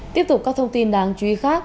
tiếp tục các thông tin đáng chú ý khác